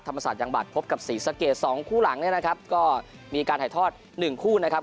ศาสตยังบัตรพบกับศรีสะเกดสองคู่หลังเนี่ยนะครับก็มีการถ่ายทอดหนึ่งคู่นะครับ